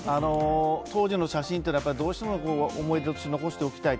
当時の写真というのはどうしても思い出として残しておきたい。